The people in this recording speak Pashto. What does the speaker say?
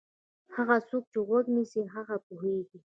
هغه څوک چې غوږ نیسي هغه پوهېږي.